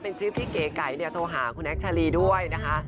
เป็นคลิปที่เก๋ไก่โทรหาคุณแอคชาลีด้วยนะคะ